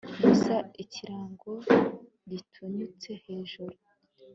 gusa ikirango gitinyutse hejuru